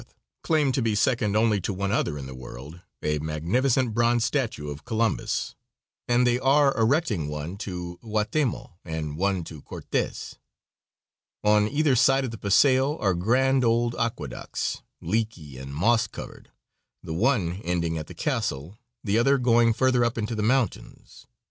claimed to be second only to one other in the world; a magnificent bronze statue of Columbus, and they are erecting one to Guatemoc and one to Cortes. On either aide of the paseo are grand old aqueducts, leaky and moss covered, the one ending at the castle, the other going further up into the mountains.